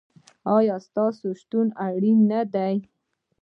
ایا ستاسو شتون اړین نه دی؟